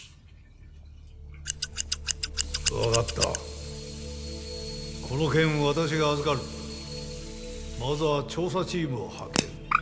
分かったこの件私が預かるまずは調査チームを派遣